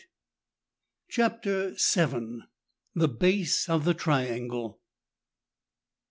59 CHAPTER VII. THE BASE OF THE TRIANGLE.